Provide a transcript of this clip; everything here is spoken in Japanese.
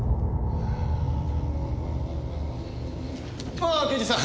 ああ刑事さん。